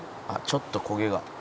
「ちょっと焦げが」